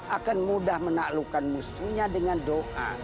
akan mudah menaklukkan musuhnya dengan doa